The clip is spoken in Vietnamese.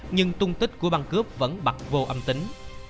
nhưng tung tích của băng cướp vẫn bật vô âm tính